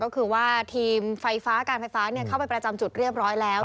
ก็คือว่าทีมไฟฟ้าการไฟฟ้าเข้าไปประจำจุดเรียบร้อยแล้ว